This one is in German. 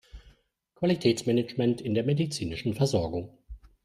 Qualitätsmanagement in der medizinischen Versorgung.